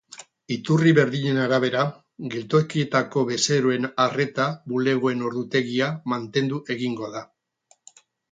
Iturri berdinen arabera, geltokietako bezeroen arreta bulegoen ordutegia mantendu egingo da.